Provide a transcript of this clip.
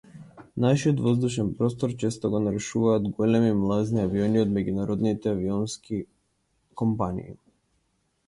Нашиот воздушен простор често го нарушуваат големи млазни авиони од меѓународните авионски компании.